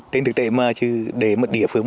trên thực tế mà chứ để một địa phương